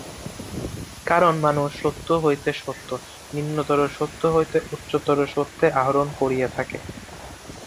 কারণ মানুষ সত্য হইতে সত্যে, নিম্নতর সত্য হইতে উচ্চতর সত্যে আরোহণ করিয়া থাকে।